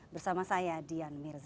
bersama saya dian mirza